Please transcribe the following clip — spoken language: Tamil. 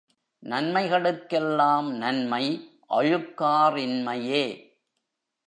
நன்மைகளுக்கெல்லாம் நன்மை அழுக்கா றின்மையே.